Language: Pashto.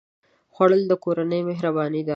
خوړل د کورنۍ مهرباني ده